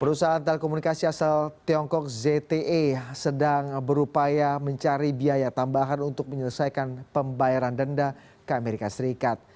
perusahaan telekomunikasi asal tiongkok zte sedang berupaya mencari biaya tambahan untuk menyelesaikan pembayaran denda ke amerika serikat